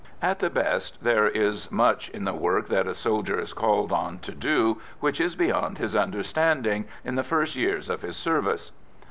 At the best, there is much in the work that a soldier is called on to do which is beyond his understanding, in the first years of his service.